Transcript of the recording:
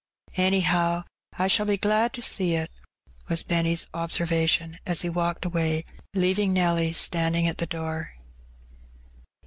''Anyhow, I shall be glad to see it," was Benny's obser vation, as he walked away, leaving Nelly standing at the door.